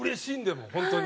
もう本当に。